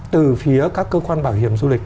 từ phía các cơ quan bảo hiểm du lịch